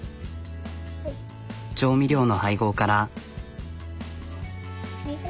調味料の配合から。